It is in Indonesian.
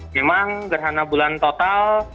memang gerhana bulan total